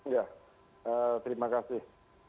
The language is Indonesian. ya terima kasih